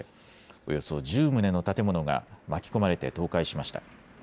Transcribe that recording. およそ１０棟の建物が巻き込まれて倒壊しました。